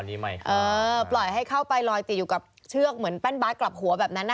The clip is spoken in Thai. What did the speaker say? จะปล่อยให้เข้าไปลอยติดอยู่กับเชือกเหมือนแป้นบาสกลับหัวแบบนั้น